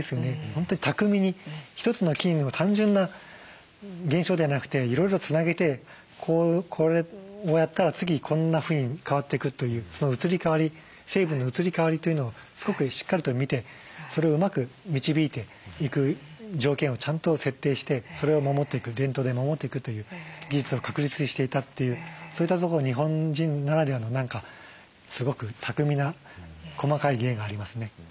本当に巧みに一つの菌を単純な現象ではなくていろいろつなげてこれをやったら次こんなふうに変わっていくというその移り変わり成分の移り変わりというのをすごくしっかりと見てそれをうまく導いていく条件をちゃんと設定してそれを守っていく伝統で守っていくという技術を確立していたっていうそういったところに日本人ならではの何かすごく巧みな細かい芸がありますね。